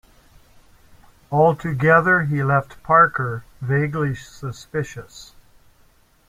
Altogether he left Parker vaguely suspicious.